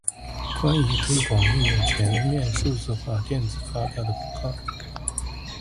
关于推广应用全面数字化电子发票的公告